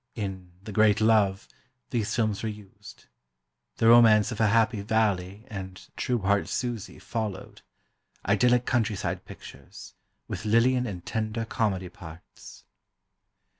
In "The Great Love," these films were used. "The Romance of a Happy Valley," and "True Heart Suzie" followed, idyllic countryside pictures, with Lillian in tender comedy parts.